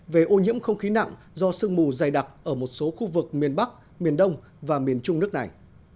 về ô nhiễm không khí nặng do sương mù dày đặc ở một số khu vực miền bắc miền đông và miền trung nước này